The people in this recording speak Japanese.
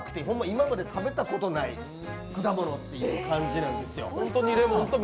今まで食べたことない果物って感じなんですよ。